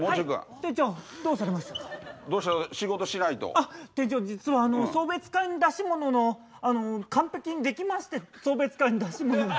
あ店長実は送別会の出し物のあの完璧にできまして送別会の出し物が。